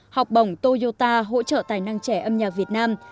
học bổng toyota hỗ trợ tài năng trẻ âm nhạc việt nam